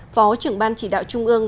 phó trưởng ban chỉ đạo trung ương